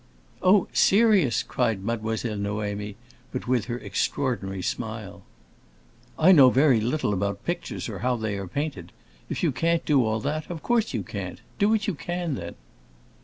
"Oh, serious!" cried Mademoiselle Noémie, but with her extraordinary smile. "I know very little about pictures or how they are painted. If you can't do all that, of course you can't. Do what you can, then."